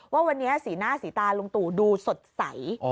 ว่าวันนี้สีหน้าสีตาลุงตู่ดูสดใส